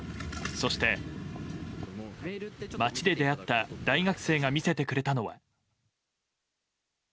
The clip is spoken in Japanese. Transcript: そして、街で出会った大学生が見せてくれたのは。